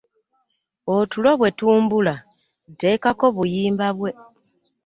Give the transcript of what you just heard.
Otulo bwe tumbula nteekako buyimba bwe.